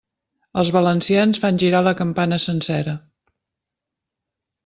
Els valencians fan girar la campana sencera.